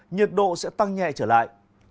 nhiệt độ sẽ tăng nhẹ trở lại